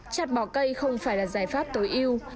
chặt bỏ cây không phải là giải pháp tối yêu